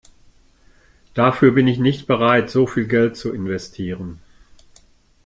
Dafür bin ich nicht bereit, so viel Geld zu investieren.